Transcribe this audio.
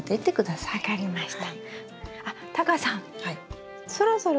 はい分かりました。